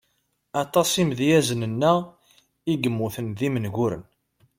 Aṭas imedyazen-nneɣ i immuten d imenguren.